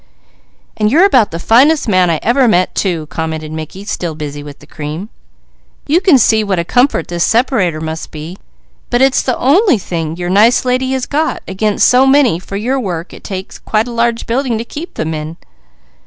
"And you're about the finest man I ever met, too," commented Mickey, still busy with the cream. "You can see what a comfort this separator must be, but it's the only thing your nice lady has got, against so many for your work it takes quite a large building to keep them in.